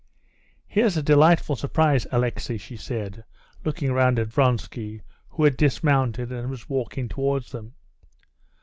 "Here's a delightful surprise, Alexey!" she said, looking round at Vronsky, who had dismounted, and was walking towards them.